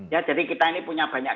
ya jadi kita ini punya banyak